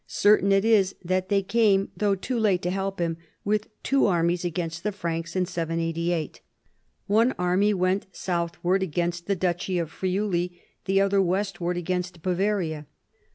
Certain it is that they came, though too late to help him, with two armies against the Franks (Y88). One army went southward against the duchy of Friuli, the other westward against Bavaria.